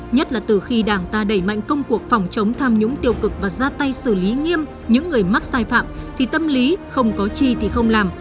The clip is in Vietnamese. nhất là từ khi đảng ta đẩy mạnh công cuộc phòng chống tham nhũng tiêu cực và ra tay xử lý nghiêm những người mắc sai phạm thì tâm lý không có chi thì không làm